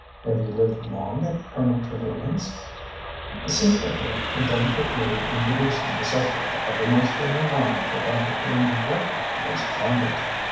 Have you lived long at Colonel Trevilian's? '' It seemed to her a delicate way of introducing the sub ject uppermost in her mind without referring directly to his bondage.